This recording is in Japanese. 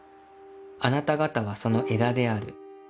あなたがたはその枝である。